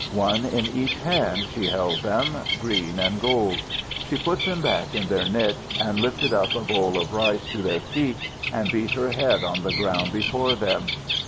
One in each hand, she held them, green and gold. She put them back in their niche, and lifted up a bowl of rice to their feet, and beat her head on the ground before them.